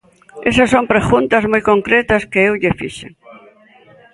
Esas son preguntas moi concretas que eu lle fixen.